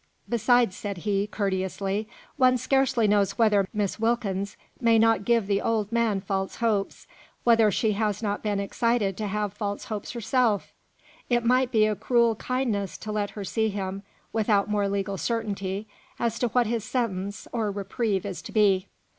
"Besides," said he, courteously, "one scarcely knows whether Miss Wilkins may not give the old man false hopes whether she has not been excited to have false hopes herself; it might be a cruel kindness to let her see him, without more legal certainty as to what his sentence, or reprieve, is to be.